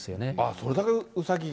それだけうさぎが。